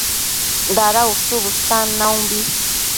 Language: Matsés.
Dada ushu bëtan naumbi